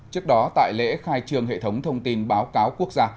trước đó tại lễ khai trường hệ thống thông tin báo cáo quốc gia